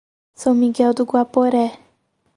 São Miguel do Guaporé